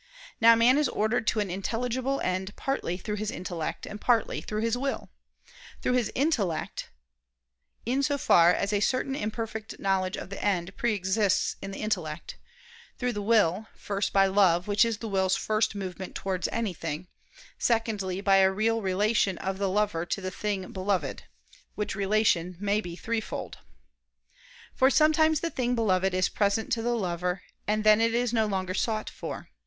Now man is ordered to an intelligible end partly through his intellect, and partly through his will: through his intellect, in so far as a certain imperfect knowledge of the end pre exists in the intellect: through the will, first by love which is the will's first movement towards anything; secondly, by a real relation of the lover to the thing beloved, which relation may be threefold. For sometimes the thing beloved is present to the lover: and then it is no longer sought for.